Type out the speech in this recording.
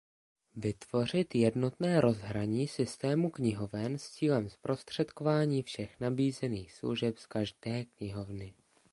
Vytvořit jednotné rozhraní systému knihoven s cílem zprostředkování všech nabízených služeb z každé knihovny.